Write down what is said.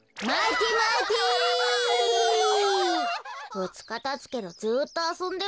ふつかたつけどずっとあそんでるわね。